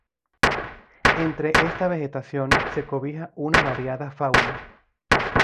Entre esta vegetación se cobija una variada fauna.